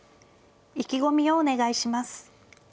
意気込みをお願いします。